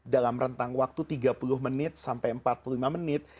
dalam rentang waktu tiga puluh menit sampai empat puluh lima menit